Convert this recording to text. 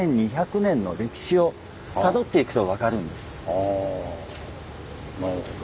あぁなるほど。